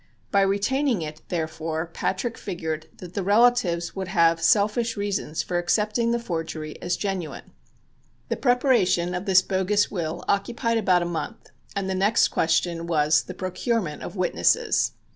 By retaining it, therefore, Patrick figured that the relatives would have selfish reasons for accepting the forgery as genuine. The preparation of this bogus will occupied about a month, and the next question was the procurement of witnesses.